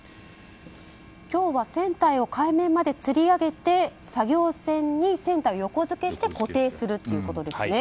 今日は船体を海面までつり上げて作業船に船体を横付けして固定するということですね。